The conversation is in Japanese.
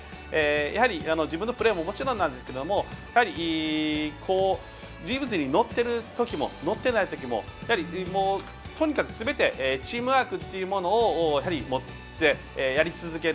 やはり、自分のプレーももちろんなんですけどリズムに乗っているときも乗ってないときもとにかくすべてチームワークというものを持ってやり続ける。